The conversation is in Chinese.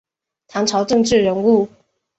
唐朝政治人物。